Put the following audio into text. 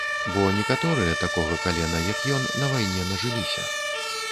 Бо некаторыя, такога калена як ён, на вайне нажыліся.